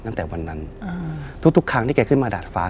ตั้งแต่วันนั้นทุกทุกครั้งที่แกขึ้นมาดาดฟ้า